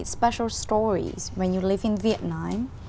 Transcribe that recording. sự khác biệt của việt nam